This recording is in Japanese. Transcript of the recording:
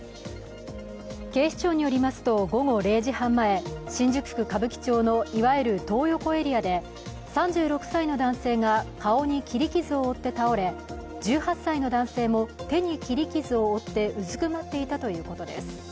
警視庁によりますと、午後０時半前新宿区歌舞伎町のいわゆるトー横エリアで３６歳の男性が顔に切り傷を負って倒れ１８歳の男性も手に切り傷を負ってうずくまっていたということです。